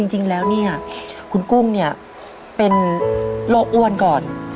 จริงแล้วนี่คุณกุ้งเป็นโรคอ้วนก่อน